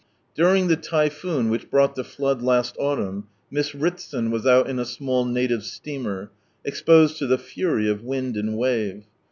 During the typhoon which brought the flood last autumn. Miss Ritson was out in a small native steamer, exposed to the fury of wind and wave.